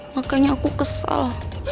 makanya aku kesal